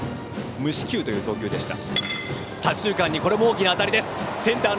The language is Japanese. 無四球という投球でした。